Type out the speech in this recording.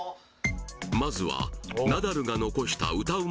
まずはナダルが残した歌うま